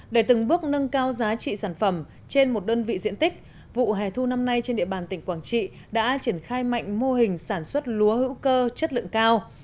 để từng bước nâng cao giá trị sản phẩm trên một đơn vị diện tích vụ hè thu năm nay trên địa bàn tỉnh quảng trị đã triển khai mạnh mô hình sản xuất lúa hữu cơ chất lượng cao